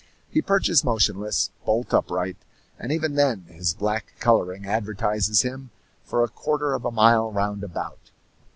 He perches motionless, bolt upright, and even then his black coloring advertises him for a quarter of a mile round about.